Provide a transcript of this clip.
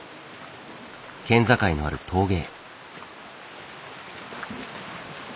県境のある峠へ。